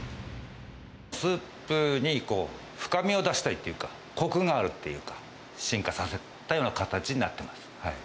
スープに深みを出したいっていうか、こくがあるっていうか、進化させたような形になってます。